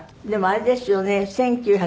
でもあれですよね